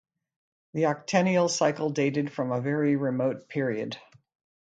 The octennial cycle dated from a very remote period.